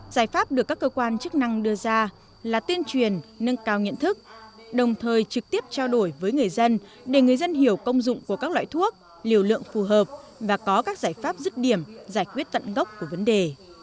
giải pháp được các cơ quan chức năng đưa ra là tuyên truyền nâng cao nhận thức đồng thời trực tiếp trao đổi với người dân để người dân hiểu công dụng của các loại thuốc liều lượng phù hợp và có các giải pháp dứt điểm giải quyết tận gốc của vấn đề